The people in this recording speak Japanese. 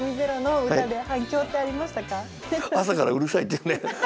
朝からうるさいっていうね。